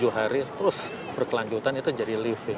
tujuh hari terus berkelanjutan itu jadi living